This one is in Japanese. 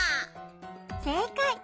せいかい！